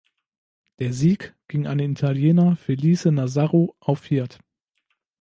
Der Sieg ging an den Italiener Felice Nazzaro auf Fiat.